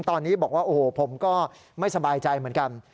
ตอนนี้บอกว่าโอ้โหผมก็ไม่สบายใจเหมือนกัน